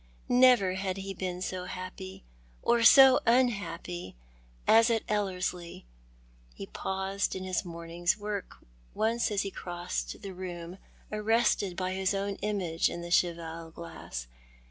Never had he been so happy — or so unhappy — as at Elleislie. He paused in his morning's work once as he crossed the room, arrested by his own image in the cheval glass.